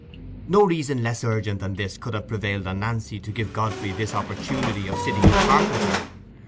No reason less urgent than this could have prevailed on Nancy to give Godfrey this opportunity of sitting apart with her.